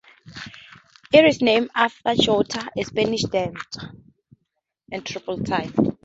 It is named after jota a Spanish dance in triple time.